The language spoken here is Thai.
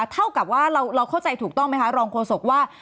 เท่ากับว่าเราเข้าใจถูกต้องไหมคะรองโฆษกว่า